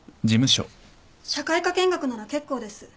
社会科見学なら結構です。